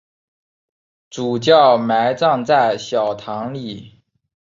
主教埋葬在小堂里。